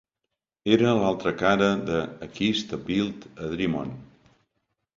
Era l'altra cara de "A Kiss to Build a Dream On".